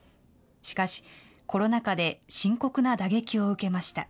しかし、コロナ禍で深刻な打撃を受けました。